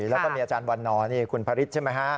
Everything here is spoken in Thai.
แล้วก็มีอาจารย์วันนอร์นี่คุณพระฤทธิใช่ไหมฮะ